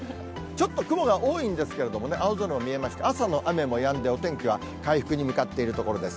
ちょっと雲が多いんですけれどもね、青空も見えまして、朝の雨もやんで、お天気は回復に向かっているところです。